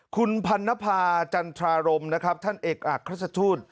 คุณพันนภาจันทรารมนะครับท่านเอกอักราชทูต